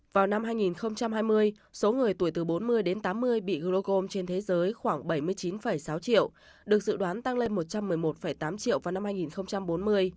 vào năm hai nghìn hai mươi số người tuổi từ bốn mươi đến tám mươi bị glocom trên thế giới khoảng bảy mươi chín sáu triệu được dự đoán tăng lên một trăm một mươi một tám triệu vào năm hai nghìn bốn mươi